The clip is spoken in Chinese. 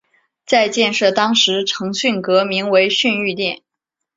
在建设当时成巽阁名为巽御殿。